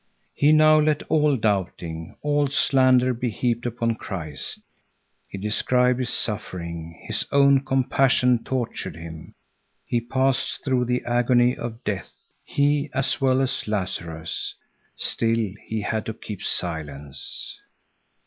He now let all doubting, all slander be heaped upon Christ. He described his suffering. His own compassion tortured him. He passed through the agony of death, he as well as Lazarus. Still he had to keep silence.